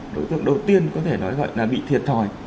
đối tượng đầu tiên có thể nói gọi là bị thiệt thòi